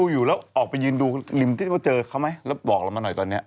ยืนดูริมที่เดี๋ยวเจอเขาไหมแล้วบอกเรามาหน่อยตอนนี้